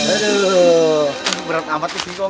aduh berat amat nih singkong